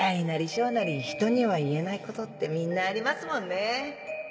小なり人には言えないことってみんなありますもんね